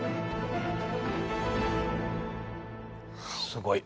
すごい。